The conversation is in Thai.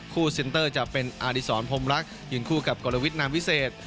คู่ซินเตอร์จะเป็นอาริสรพรหมลักษณ์ยืนคู่กับกรวิตนามวิเศษ